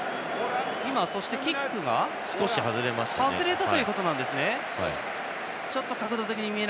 キックが外れたということですね。